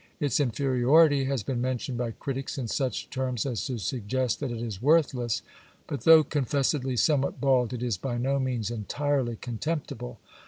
Its inferiority has been mentioned by critics in such terms as to suggest that it is worthless, but though confessedly somewhat bald it is by no means entirely contemptible.